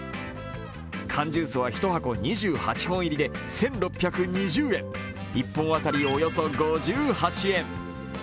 缶ジュースは１箱２８本入りで１６２０円１本当たりおよそ５８円。